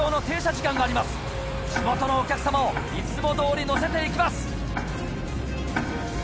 地元のお客さまをいつもどおり乗せていきます。